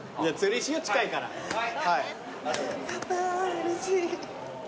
うれしい。